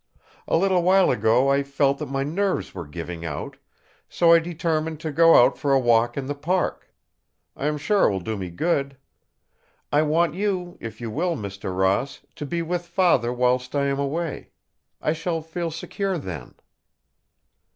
A little while ago I felt that my nerves were giving out; so I determined to go out for a walk in the Park. I am sure it will do me good. I want you, if you will, Mr. Ross, to be with Father whilst I am away. I shall feel secure then."